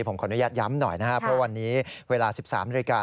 ผมขออนุญาตย้ำหน่อยนะครับเพราะวันนี้เวลา๑๓นาฬิกา